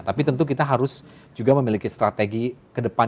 tapi tentu kita harus juga memiliki strategi ke depan